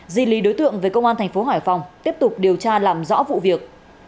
di lý đối tượng về công an thành phố hải phòng tiếp tục điều tra làm rõ vụ việc